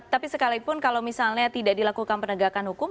tapi sekalipun kalau misalnya tidak dilakukan penegakan hukum